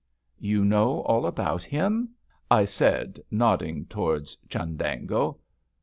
"You know all about him?" I said, nodding towards Chundango.